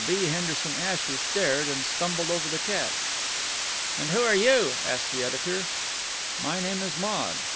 B. Henderson Asher stared, and stumbled over the cat. "And who are you?" asked the editor. "My name is Maude.